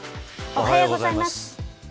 おはようございます。